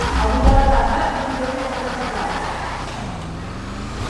Avui a la tarda no engeguis el rentaplats.